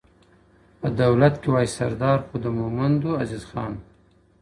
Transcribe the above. په دولت که وای سردار خو د مهمندو عزیز خان وو,